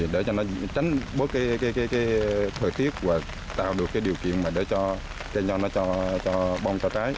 để cho nó tránh bớt thời tiết và tạo được điều kiện để cho cây nho nó cho bông cho trái